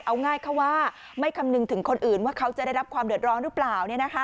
เอาง่ายเขาว่าไม่คำนึงถึงคนอื่นว่าเขาจะได้รับความเดือดร้อนหรือเปล่า